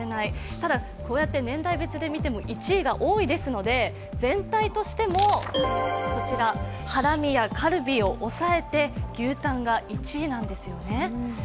ただ、こうやって年代別で見ても１位が多いですので、全体でもハラミやカルビを抑えて牛タンが１位なんですよね。